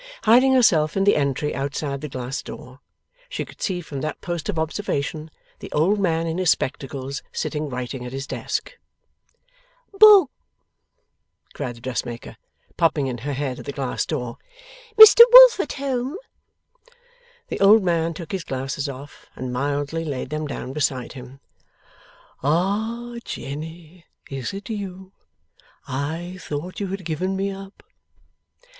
Hiding herself in the entry outside the glass door, she could see from that post of observation the old man in his spectacles sitting writing at his desk. 'Boh!' cried the dressmaker, popping in her head at the glass door. 'Mr Wolf at home?' The old man took his glasses off, and mildly laid them down beside him. 'Ah Jenny, is it you? I thought you had given me up.